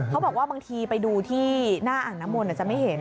เขาบอกว่าบางทีไปดูที่หน้าอ่างน้ำมนต์จะไม่เห็น